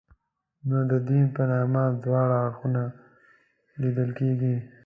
نو د دین په نامه دواړه اړخونه لیدل کېږي.